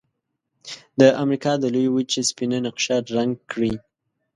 د امریکا د لویې وچې سپینه نقشه رنګ کړئ.